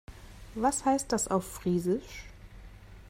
Was heißt das auf Friesisch?